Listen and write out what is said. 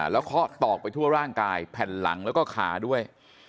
แล้วเคาะตอกไปทั่วร่างกายแผ่นหลังแล้วก็ขาด้วย